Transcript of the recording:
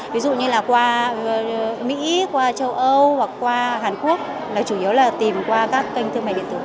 ví dụ như là qua mỹ qua châu âu hoặc qua hàn quốc là chủ yếu là tìm qua các kênh thương mại điện tử